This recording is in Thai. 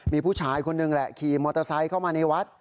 มีผู้ชายคนหนึ่งแหละขี่มอเตอร์ไซค์เข้ามาในวัด